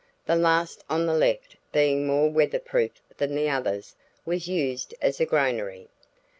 The last on the left, being more weatherproof than the others, was used as a granary.